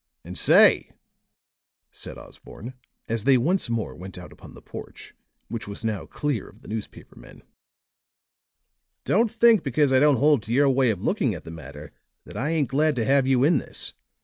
"And say," said Osborne, as they once more went out upon the porch, which was now clear of the newspaper men, "don't think because I don't hold to your way of looking at the matter that I ain't glad to have you in this.